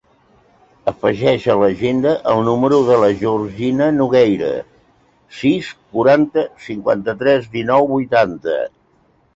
Afegeix a l'agenda el número de la Georgina Nogueira: sis, quaranta, cinquanta-tres, dinou, vuitanta.